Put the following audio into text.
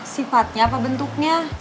sifatnya apa bentuknya